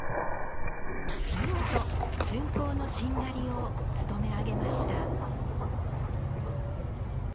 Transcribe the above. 見事、巡行のしんがりを務めあげました。